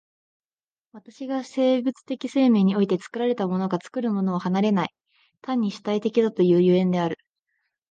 私が生物的生命においては作られたものが作るものを離れない、単に主体的だという所以である。